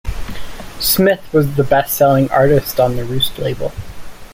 Smith was the bestselling artist on the Roost label.